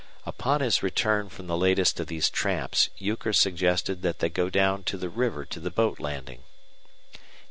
Upon his return from the latest of these tramps Euchre suggested that they go down to the river to the boat landing.